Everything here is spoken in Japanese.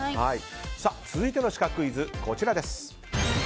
続いてのシカクイズは、こちら。